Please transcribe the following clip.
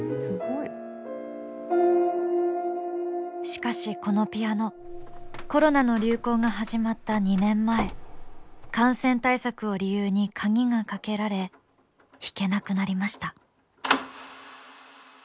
しかし、このピアノコロナの流行が始まった２年前感染対策を理由に鍵がかけられ弾けなくなりました。